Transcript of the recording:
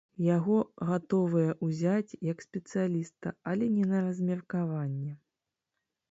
Яго гатовыя ўзяць як спецыяліста, але не на размеркаванне.